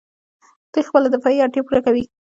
دوی خپله دفاعي اړتیا پوره کوي.